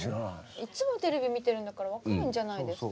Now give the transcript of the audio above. いっつもテレビ見てるんだから分かるんじゃないですか？